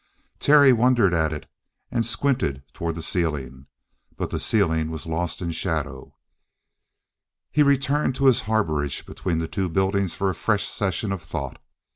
Terry wondered at it, and squinted toward the ceiling, but the ceiling was lost in shadow. He returned to his harborage between the two buildings for a fresh session of thought.